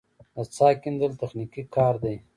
د څاه کیندل تخنیکي کار دی